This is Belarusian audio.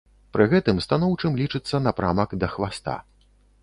Пры гэтым станоўчым лічыцца напрамак да хваста.